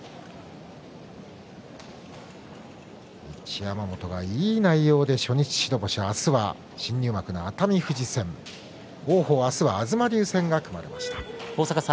一山本がいい内容で初日白星、明日は新入幕の熱海富士王鵬、明日は東龍戦が組まれました。